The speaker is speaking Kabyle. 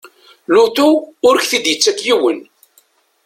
Lutu ur k-d-ittak yiwen.